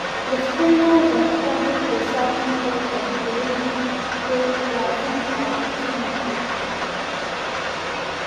The Spaniards that traveled the southern coast of Belize gave Placencia its name.